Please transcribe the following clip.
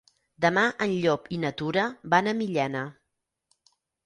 Demà en Llop i na Tura van a Millena.